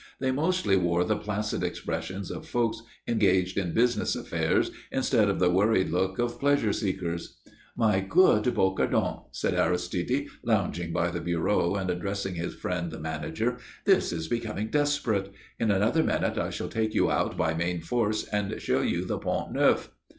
They mostly wore the placid expression of folks engaged in business affairs instead of the worried look of pleasure seekers. "My good Bocardon," said Aristide, lounging by the bureau and addressing his friend the manager, "this is becoming desperate. In another minute I shall take you out by main force and show you the Pont Neuf."